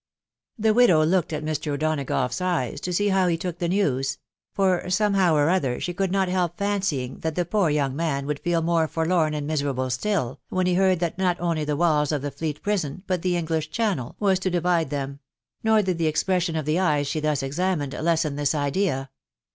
The widow looketj at Mr. O'Donagough's eyes, to see how he took this news; for, somehow or other, she could not help fancying that the poor young man would feel more. forlorn and miserable still, when he heard that not only the walls of the Fleet Prison, but the English Channel was to divide them : nor did the expression of die eyes she thus examined lessen this idea.